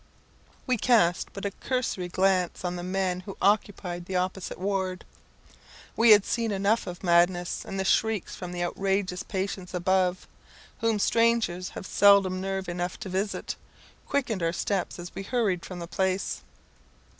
We cast but a cursory glance on the men who occupied the opposite ward. We had seen enough of madness, and the shrieks from the outrageous patients above, whom strangers have seldom nerve enough to visit, quickened our steps as we hurried from the place.